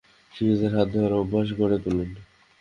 শিশুদের হাত ধোয়ার অভ্যাস গড়ে তুলুন।